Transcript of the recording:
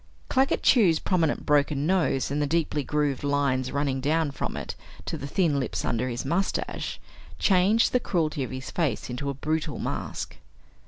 Claggett Chew's prominent broken nose, and the deeply grooved lines running down from it to the thin lips under his mustache, changed the cruelty of his face into a brutal mask.